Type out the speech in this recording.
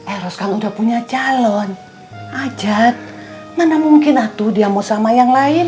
eros kamu udah punya calon ajad mana mungkin atuh dia mau sama yang lain